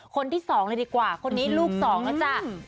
คนที่สองเลยดีกว่าคนนี้ลูกสองนะจ๊ะ